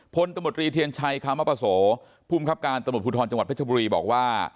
พตมรีเทียนชัยคประสโหททมทุทธรจพจปรีบอกว่า